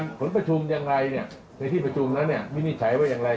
ในที่ประชุมนั้นไม่มีใช้ว่ายังไร